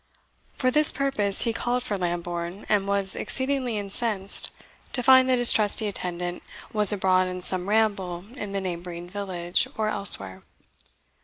For this purpose he called for Lambourne, and was exceedingly incensed to find that his trusty attendant was abroad on some ramble in the neighbouring village, or elsewhere.